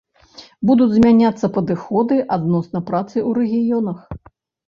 Будуць змяняцца падыходы адносна працы ў рэгіёнах.